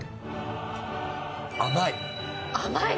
甘い。